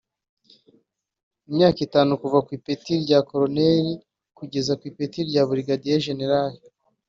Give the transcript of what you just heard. imyaka itanu kuva ku ipeti rya Koloneli kugera ku ipeti rya Burigadiye Jenerali